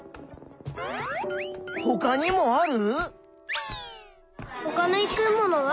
ほかにもある？